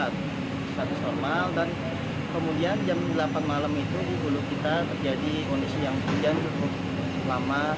status normal dan kemudian jam delapan malam itu di hulu kita terjadi kondisi yang hujan cukup lama